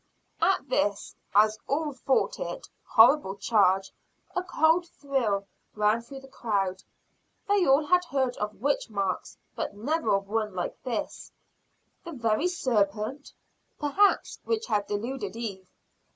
At this, as all thought it, horrible charge, a cold thrill ran through the crowd. They all had heard of witch marks, but never of one like this the very serpent, perhaps, which had deluded Eve.